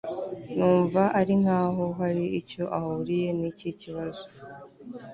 numva ari nkaho hari icyo ahuriye niki kibazo